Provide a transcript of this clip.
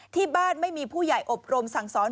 ที่บ้านไม่มีผู้ใหญ่อบรมสั่งสอน